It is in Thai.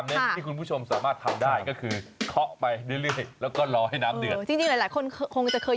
ค่ะที่กิจกรรมนั่งได้คือขะไปเรื่อยแล้วก็รอให้น้ำเดือดจริงอะไรหลายคนคงคงจะเคย